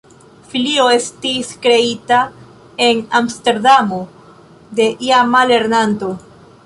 Filio estis kreita en Amsterdamo de iama lernanto.